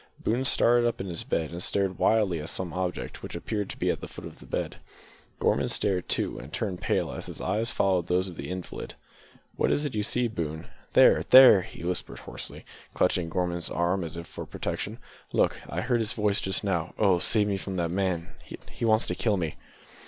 Boone started up in his bed and stared wildly at some object which appeared to be at the foot of the bed. Gorman started too, and turned pale as his eyes followed those of the invalid. "What is it you see, Boone?" "There, there!" he whispered hoarsely, clutching Gorman's arm as if for protection, "look, I heard his voice just now; oh! save me from that man; he he wants to kill me!"